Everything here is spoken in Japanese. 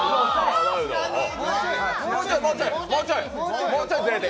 もうちょい、もうちょいずれて！